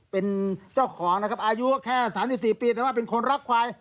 เป็นเจ้าของนะครับอายุแค่๓๔ปีแต่ว่าเป็นคนรักควาย